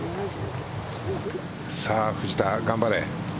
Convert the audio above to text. さあ、藤田、頑張れ。